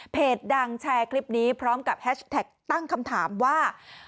ดังแชร์คลิปนี้พร้อมกับแฮชแท็กตั้งคำถามว่า